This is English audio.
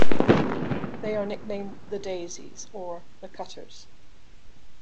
They are nicknamed "The Daisies" or "The Cutters".